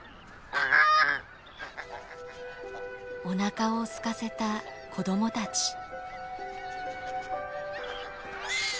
おなかをすかせた子供たち。